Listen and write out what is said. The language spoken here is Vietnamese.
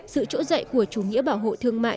sự trỗi dậy của chủ nghĩa bảo hộ thương mại